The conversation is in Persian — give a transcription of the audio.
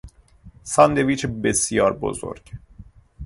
ساندویچ بسیار بزرگ